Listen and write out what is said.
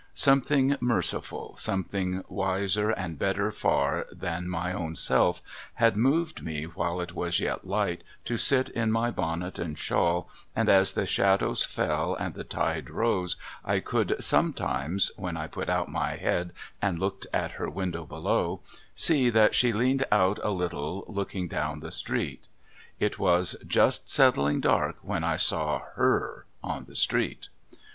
Something merciful, something wiser and better far than my own self, had moved me while it was yet light to sit in my bonnet and shawl, and as the shadows fell and the tide rose I could sometimes — when I put out my head and looked at her window belov/ — see that she leaned out a little looking down the street. It was just settling dark when I saw her in the street.